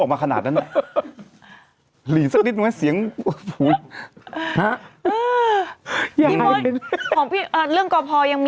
อาหารทะเลหรือคะ